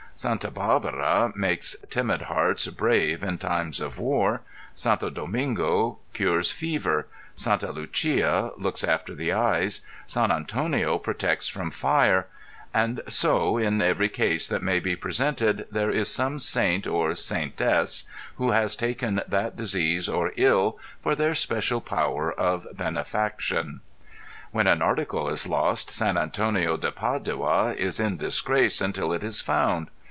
Sta. B├Īrbara makes timid hearts brave in times of war; Santo Domingo cures fever, Santa Lucia looks after the eyes, San Antonio protects from fire; and so in every case that may be presented there is some saint (or saintess) who has taken that disease or ill for their special power of benefaction. When an article is lost San Antonio de Padua is in disgrace until it is found.